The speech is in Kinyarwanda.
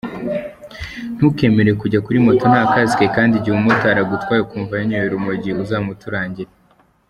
Ntukemere kujya kuri moto nta kasike, kandi igihe umumotari agutwaye ukumva yanyoye urumogi uzamuturangire.